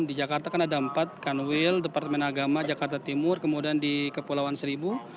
di jakarta kan ada empat kanwil departemen agama jakarta timur kemudian di kepulauan seribu